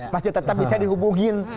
masih tetap bisa dihubungin